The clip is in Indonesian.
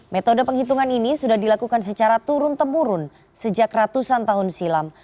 metode penghitungan ini sudah dilakukan secara turun temurun sejak ratusan tahun silam